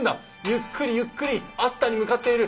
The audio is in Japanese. ゆっくりゆっくり熱田に向かっている。